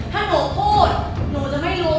ถ้าหนูพูดหนูจะไม่รู้